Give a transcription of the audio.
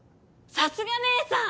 さすが姐さん！